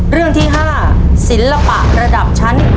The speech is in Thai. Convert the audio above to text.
เรื่องที่๕ศิลปะระดับชั้น